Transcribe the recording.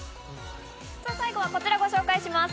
最後はこちらをご紹介します。